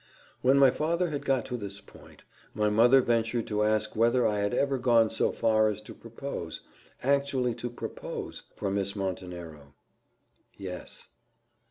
When my father had got to this point, my mother ventured to ask whether I had ever gone so far as to propose, actually to propose, for Miss Montenero. "Yes."